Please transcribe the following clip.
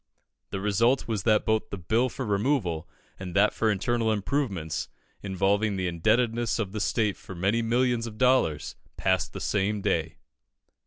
The result was that both the Bill for removal and that for internal improvements, involving the indebtedness of the state for many millions of dollars, passed the same day.